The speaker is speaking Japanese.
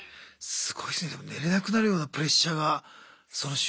すごいですねでも寝れなくなるようなプレッシャーがその囚人から。